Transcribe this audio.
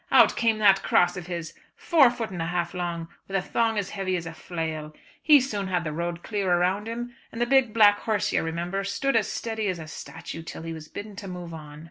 Out came that cross of his, four foot and a half long, with a thong as heavy as a flail. He soon had the road clear around him, and the big black horse you remember, stood as steady as a statue till he was bidden to move on.